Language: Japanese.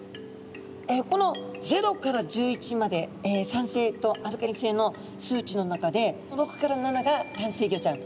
この０から１１まで酸性とアルカリ性の数値の中で６から７が淡水魚ちゃん。